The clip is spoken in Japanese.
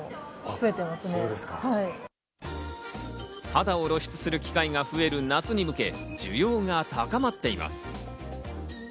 肌を露出する機会が増える夏に向けて需要が高まっています。